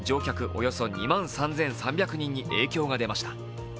およそ２万３３００人に影響が出ました。